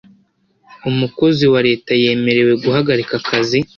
Umukozi wa Leta yemerewe guhagarika akazi